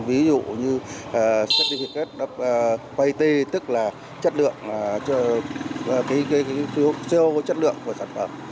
ví dụ như certificate of quality tức là chất lượng cái phiếu chất lượng của sản phẩm